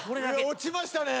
落ちましたね。